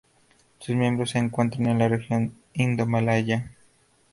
Sus miembros se encuentran en la región indomalaya.